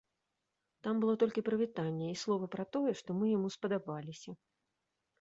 Там было толькі прывітанне і словы пра тое, што мы яму спадабаліся.